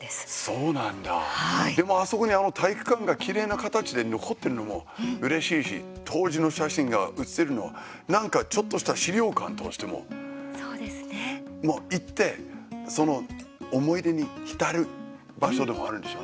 そうなんだ、でもあそこに体育館がきれいな形で残っているのもうれしいし当時の写真が写ってるのはなんかちょっとした資料館としても、行ってその思い出に浸る場所でもあるんでしょうね。